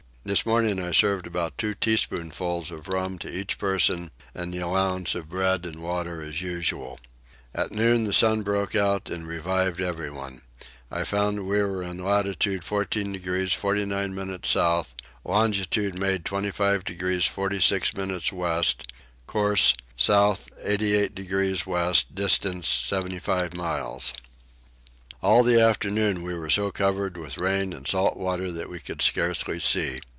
This morning I served about two teaspoonfuls of rum to each person and the allowance of bread and water as usual. At noon the sun broke out and revived everyone. I found we were in latitude 14 degrees 49 minutes south; longitude made 25 degrees 46 minutes west; course south 88 degrees west distance 75 miles. All the afternoon we were so covered with rain and salt water that we could scarcely see.